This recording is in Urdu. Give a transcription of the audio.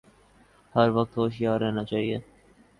ہر وقت ہوشیار رہنا چاہیے